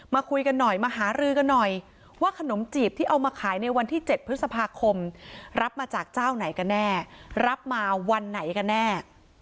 คุยกันหน่อยมาหารือกันหน่อยว่าขนมจีบที่เอามาขายในวันที่๗พฤษภาคมรับมาจากเจ้าไหนกันแน่รับมาวันไหนกันแน่